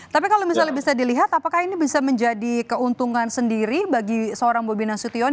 tapi kalau misalnya bisa dilihat apakah ini bisa menjadi keuntungan sendiri bagi seorang bobi nasution